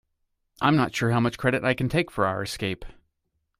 I'm not sure how much credit I can take for our escape.